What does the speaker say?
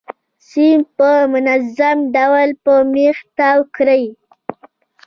سیم په منظم ډول په میخ تاو کړئ.